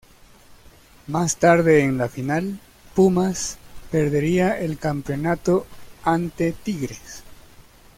Más tarde en la final, Pumas perdería el campeonato ante Tigres.